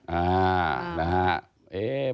อ่านะฮะ